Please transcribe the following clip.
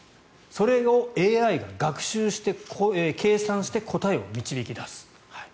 それをＡＩが学習して、計算して答えを導き出す。